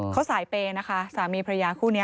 เขาสายเปย์นะคะสามีพระยาคู่นี้